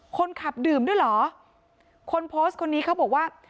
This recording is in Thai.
คนขับดื่มด้วยเหรอคนโพสต์คนนี้เขาบอกว่า